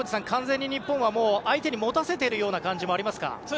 完全に日本は相手に持たせている感じもありますか。